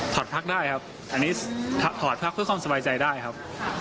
อดพักได้ครับอันนี้ถอดพักเพื่อความสบายใจได้ครับ